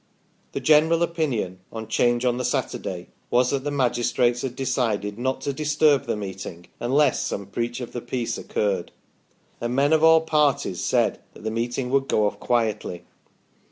The general opinion on 'Change on the Saturday was that the magistrates had decided not to disturb the meeting, unless some breach of the peace occurred, and men of all 2 18 THE STORY OF PETERLOO parties said that the meeting would go off quietly.